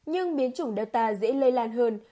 nhưng biến chủng delta dễ lây lan hơn